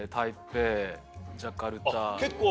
結構。